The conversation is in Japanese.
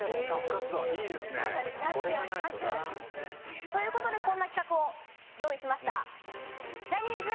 これがないとな。ということでこんな企画を用意しました。